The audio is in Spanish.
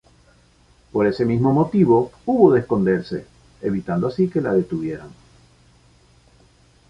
Por ese mismo motivo hubo de esconderse, evitando así que la detuvieran.